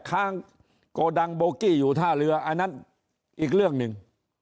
ค้างโกดังโบกี้อยู่ท่าเรืออันนั้นอีกเรื่องหนึ่ง